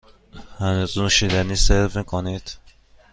هنوز نوشیدنی سرو می کنید؟